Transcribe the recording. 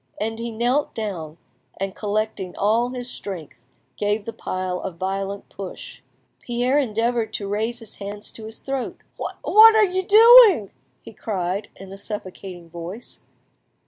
And he knelt down, and collecting all his strength, gave the pile a violent push. Pierre endeavoured to raise his hands to his throat. "What are you doing?" he cried in a suffocating voice.